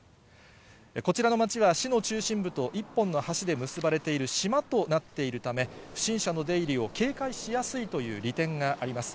こちらの町は、市の中心部と一本の橋で結ばれている島となっているため、不審者の出入りを警戒しやすいという利点があります。